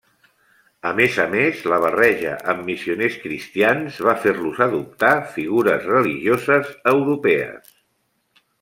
A més a més, la barreja amb missioners cristians va fer-los adoptar figures religioses europees.